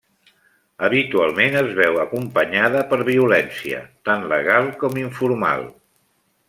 Habitualment es veu acompanyada per violència, tant legal com informal.